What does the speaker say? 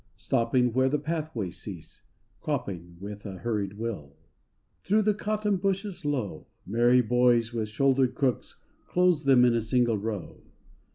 Stopping where the pathways cease, Cropping with a hurried will. Thro' the cotton bushes low Merry boys with shouldered crooks Close them in a single row.